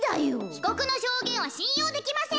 ひこくのしょうげんはしんようできません！